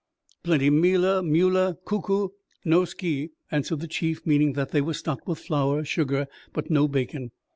"Plenty meala, meula. Kuku. No ski," answered the chief, meaning that they were stocked with flour, sugar, but no bacon.